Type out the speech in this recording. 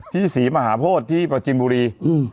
ศรีมหาโพธิที่ประจินบุรี